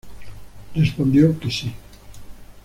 Respondió que sí.